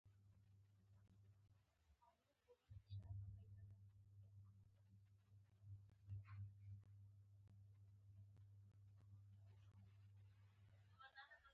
عقایدو تفتیش او پلټنې محکمې جوړې کړې